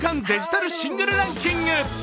デジタルシングルランキング。